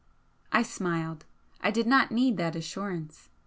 I smiled. I did not need that assurance.